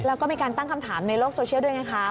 แล้วก็มีการตั้งคำถามในโลกโซเชียลด้วยไงคะ